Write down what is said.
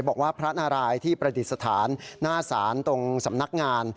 บอกว่าพระนารายที่ประดิษฐานหน้าศาลตรงสำนักงาน